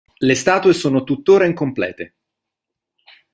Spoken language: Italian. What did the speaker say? Le statue sono tuttora incomplete